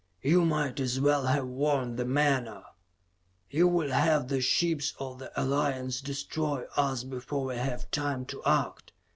"You might as well have worn the menore! You would have the ships of the Alliance destroy us before we have time to act.